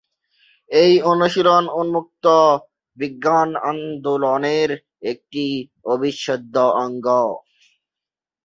এই অনুশীলন উন্মুক্ত বিজ্ঞান আন্দোলনের একটি অবিচ্ছেদ্য অঙ্গ।